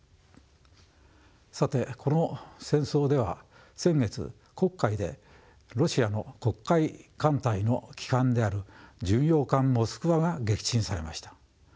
さてこの戦争では先月黒海でロシアの黒海艦隊の旗艦である巡洋艦モスクワが撃沈されました。